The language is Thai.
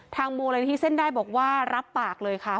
ทางโมเรนที่เซ่นได้บอกว่ารับปากเลยค่ะ